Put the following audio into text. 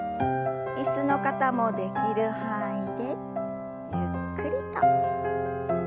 椅子の方もできる範囲でゆっくりと。